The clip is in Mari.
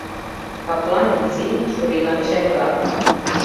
Каплан изи, чурийлан шемырак